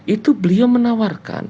itu beliau menawarkan